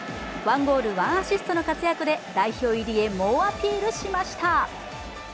１ゴール・１アシストの活躍で代表入りへ猛アピールしました。